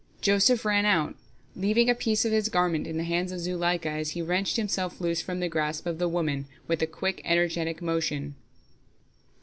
Joseph ran out, leaving a piece of his garment in the hands of Zuleika as he wrenched himself loose from the grasp of the woman with a quick, energetic motion.